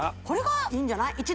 これがいいんじゃない？